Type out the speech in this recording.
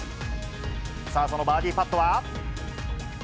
さあ、そのバーディーパットは。